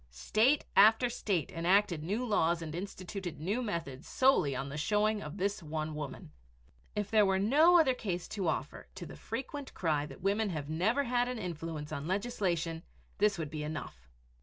State after state enacted new laws and instituted new methods solely on the showing of this one woman. If there were no other case to offer to the frequent cry that women have never had an influence on legislation, this would be enough.